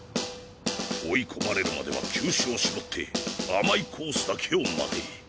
追い込まれるまでは球種を絞って甘いコースだけを待て。